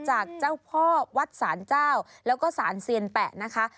จากเจ้าพ่อวัดศาลเจ้าแล้วก็สารเซียนแปะนะคะ